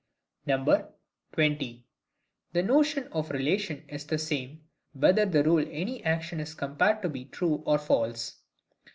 20. The Notion of Relation is the same, whether the Rule any Action is compared to be true or false.